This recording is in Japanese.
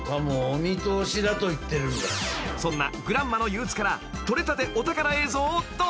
［そんな『グランマの憂鬱』から撮れたてお宝映像をどうぞ］